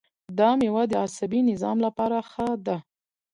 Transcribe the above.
دا میوه د عصبي نظام لپاره ښه ده.